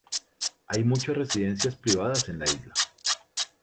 Hay muchas residencias privadas en la isla.